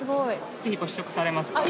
ぜひご試食されますか？